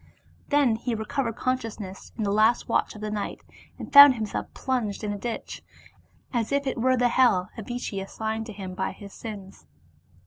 Then he recovered consciousness in the last watch of the night, and found him self plunged in a ditch, as it were the hell AzHchi assigned to him by his sins.